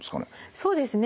そうですね。